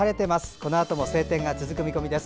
このあとも晴天が続く見込みです。